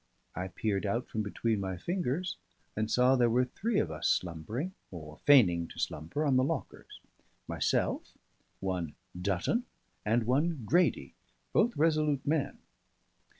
I peered out from between my fingers, and saw there were three of us slumbering, or feigning to slumber, on the lockers: myself, one Dutton, and one Grady, both resolute men.